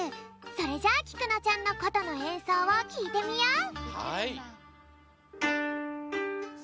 それじゃあきくのちゃんのことのえんそうをきいてみよう！